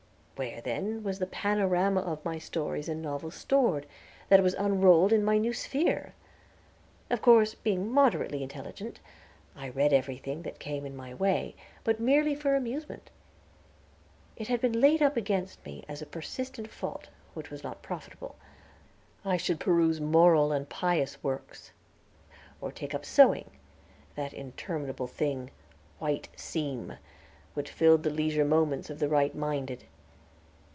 Where then was the panorama of my stories and novels stored, that was unrolled in my new sphere? Of course, being moderately intelligent I read everything that came in my way, but merely for amusement. It had been laid up against me as a persistent fault, which was not profitable; I should peruse moral, and pious works, or take up sewing, that interminable thing, "white seam," which filled the leisure moments of the right minded.